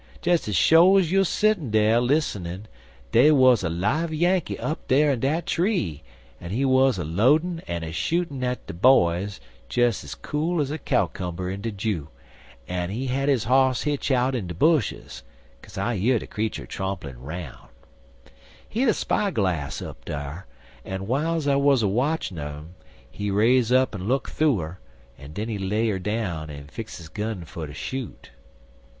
Des ez sho's you er settin' dar lissenin' dey wuz a live Yankee up dar in dat tree, en he wuz a loadin' en a shootin' at de boys des ez cool es a cowcumber in de jew, en he had his hoss hitch out in de bushes, kaze I year de creetur tromplin' 'roun'. He had a spy glass up dar, en w'iles I wuz a watchin' un 'im, he raise 'er up en look thoo 'er, en den he lay 'er down en fix his gun fer ter shoot.